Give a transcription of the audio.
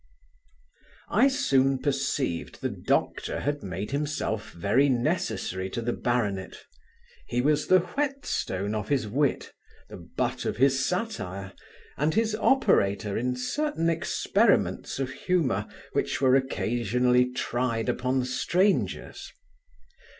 I soon perceived the doctor had made himself very necessary to the baronet. He was the whetstone of his wit, the butt of his satire, and his operator in certain experiments of humour, which were occasionally tried upon strangers.